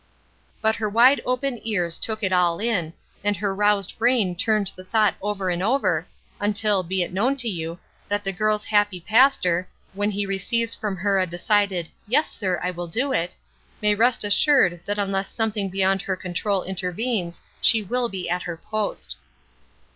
But her wide open ears took it all in, and her roused brain turned the thought over and over, until, be it known to you, that that girl's happy pastor, when he receives from her a decided, "Yes, sir, I will do it," may rest assured that unless something beyond her control intervenes she will be at her post.